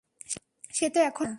সে তো এখনও বাচ্চা।